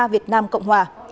ba việt nam cộng hòa